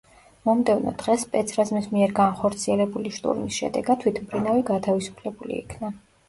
მომდევნო დღეს სპეცრაზმის მიერ განხორციელებული შტურმის შედეგად, თვითმფრინავი გათავისუფლებული იქნა.